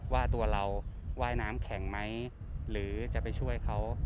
ว่าตัวเราว่ายน้ำแข็งไหมหรือจะไปช่วยเขา